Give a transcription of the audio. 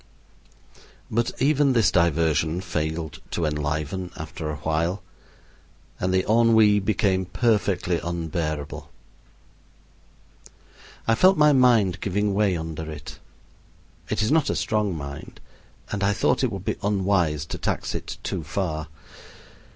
But even this diversion failed to enliven after awhile, and the ennui became perfectly unbearable. I felt my mind giving way under it. It is not a strong mind, and I thought it would be unwise to tax it too far.